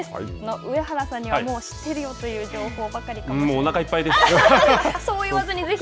上原さんにはもう知ってるよという情報ばかりかもしれません。